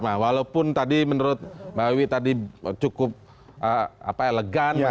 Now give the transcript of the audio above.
nah walaupun tadi menurut mbak wiwi tadi cukup elegan